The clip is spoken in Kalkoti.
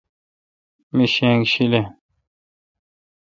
می شینگ شیلین۔